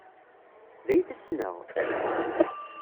D ay t-ssneɣ?